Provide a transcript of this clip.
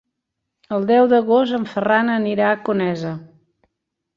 El deu d'agost en Ferran anirà a Conesa.